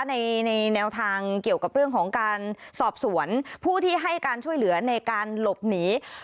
ในแนวทางเกี่ยวกับเรื่องของการสอบสวนผู้ที่ให้การช่วยเหลือในการหลบหนี